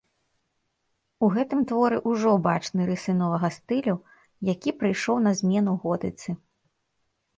У гэтым творы ўжо бачны рысы новага стылю, які прыйшоў на змену готыцы.